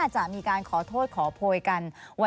มันจอดอย่างง่ายอย่างง่ายอย่างง่าย